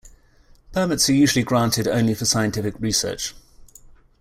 Permits are usually granted only for scientific research.